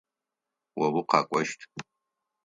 О укъэкӏощт.